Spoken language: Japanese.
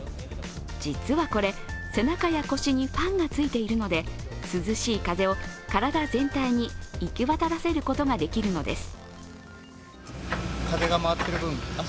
実はこれ、背中や腰にファンがついているので涼しい風を体全体に行き渡らせることができるのです。